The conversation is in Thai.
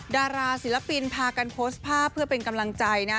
ดาราศิลปินพากันโพสต์ภาพเพื่อเป็นกำลังใจนะ